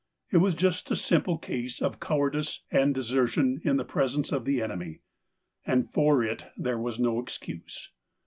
It was just a simple case of cowardice and desertion in the presence of the enemy, and for it there was no excuse.